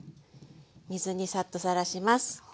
水にサッとさらします。